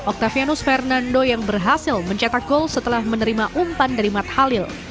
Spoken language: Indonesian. octavianus fernando yang berhasil mencetak gol setelah menerima umpan dari matt halil